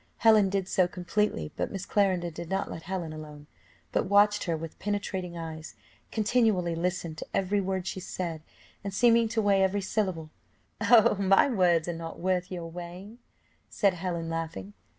Helen did so completely, but Miss Clarendon did not let Helen alone; but watched her with penetrating eyes continually, listened to every word she said, and seeming to weigh every syllable, "Oh, my words are not worth your weighing," said Helen, laughing.